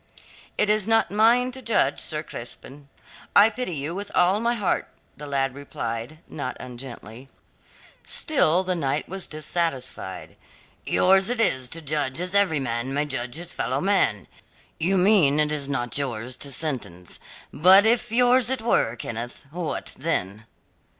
"It is not mine to judge, Sir Crispin. I pity you with all my heart," the lad replied, not ungently. Still the knight was dissatisfied. "Yours it is to judge as every man may judge his fellowman. You mean it is not yours to sentence. But if yours it were, Kenneth, what then?"